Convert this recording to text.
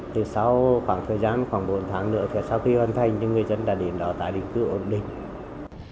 từ sau khoảng thời gian khoảng bốn tháng nữa thì sau khi hoàn thành thì người dân đã đến đó tài định cư ổn định